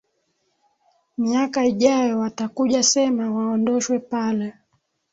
miaka ijao watakuja sema waondoshwe pale